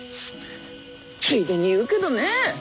ついでに言うけどね